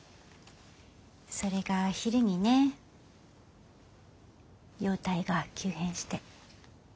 それが昼にね容体が急変して。